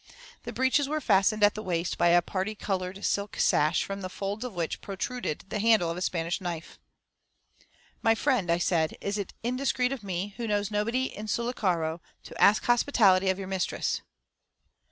The breeches were fastened at the waist by a parti coloured silk sash, from the folds of which protruded the handle of a Spanish knife. "My friend," I said, "is it indiscreet of me, who knows nobody in Sullacaro, to ask hospitality of your mistress?"